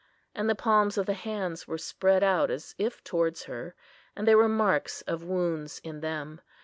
And the palms of the hands were spread out as if towards her, and there were marks of wounds in them.